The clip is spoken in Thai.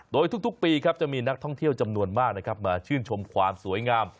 โดยทุกปีครับจะมีนักท่องเที่ยวจำนวนมากนะครับมาชื่นชมความสวยงาม